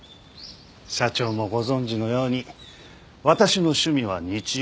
社長もご存じのように私の趣味は日曜大工ですから。